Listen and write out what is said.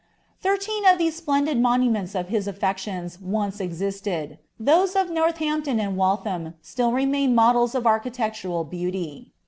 Thirteen of these splendid monuments of his aflections once : those of Northampton and Waltham ' still remain models of tural beauty.